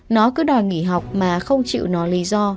nó cứ đòi nghỉ học mà không chịu nó lý do